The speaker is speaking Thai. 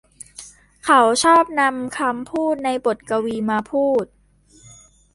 เขาชอบนำคำพูดในบทกวีมาพูด